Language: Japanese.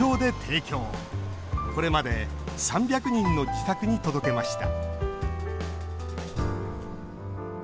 これまで３００人の自宅に届けました